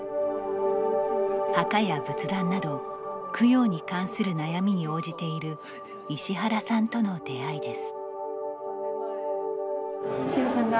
墓や仏壇など供養に関する悩みに応じている石原さんとの出会いです。